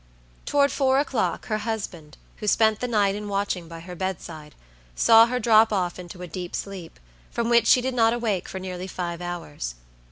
Toward four o'clock her husband, who spent the night in watching by her bedside, saw her drop off into a deep sleep, from which she did not awake for nearly five hours.